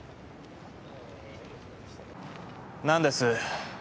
何です？